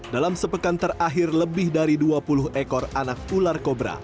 dalam sepekan terakhir lebih dari dua puluh ekor anak ular kobra